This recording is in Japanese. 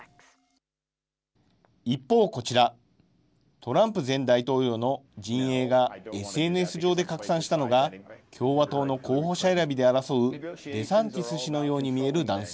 一方、こちら、トランプ前大統領の陣営がＳＮＳ上で拡散したのが、共和党の候補者選びで争うデサンティス氏のように見える男性。